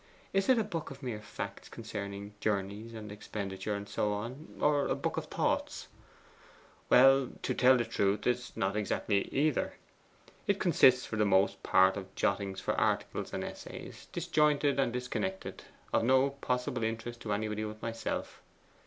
Is it a book of mere facts concerning journeys and expenditure, and so on, or a book of thoughts?' 'Well, to tell the truth, it is not exactly either. It consists for the most part of jottings for articles and essays, disjointed and disconnected, of no possible interest to anybody but myself.